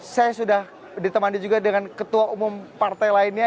saya sudah ditemani juga dengan ketua umum partai lainnya